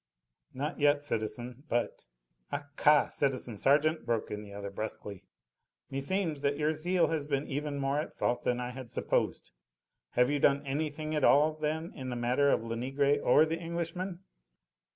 "Not yet, citizen. But " "Ah ca, citizen sergeant," broke in the other brusquely, "meseems that your zeal has been even more at fault than I had supposed. Have you done anything at all, then, in the matter of Lenegre or the Englishman?"